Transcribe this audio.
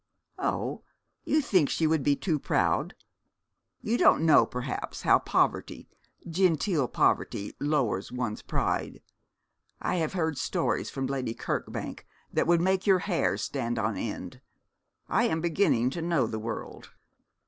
'Oh, you think she would be too proud. You don't know, perhaps, how poverty genteel poverty lowers one's pride. I have heard stories from Lady Kirkbank that would make your hair stand on end. I am beginning to know the world.'